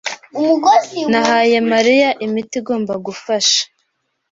Nahaye Mariya imiti igomba gufasha.